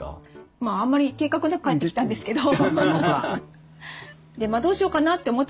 まああんまり計画なく帰ってきたんですけど。